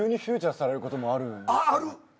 ある。